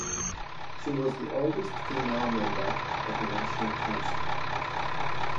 She was the oldest female member of the National Council.